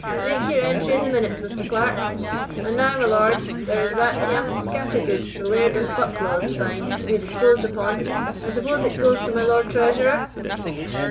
Make your entry in the minutes, Mr. Clerk. And now, my lords, there is that young scattergood the Laird of Bucklaw's fine to be disposed upon. I suppose it goes to my Lord Treasurer?"